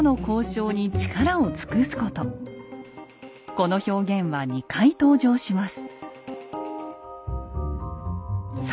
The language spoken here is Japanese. この表現は２回登場します。